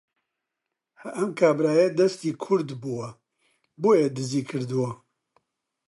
ئەم کابرایە دەستی کورت بووە بۆیە دزی کردووە